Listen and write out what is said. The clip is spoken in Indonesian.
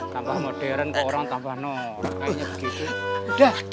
kampah modern ke orang tampah nor kayaknya begitu